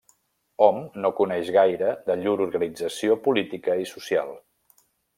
Hom no coneix gaire de llur organització política i social.